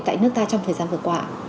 tại nước ta trong thời gian vừa qua